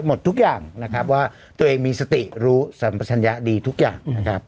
หมดทุกอย่างนะครับว่าตัวเองมีสติรู้สัมปชัญญะดีทุกอย่างนะครับ